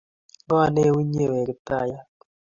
ng’o ne u inye we kiptaiyat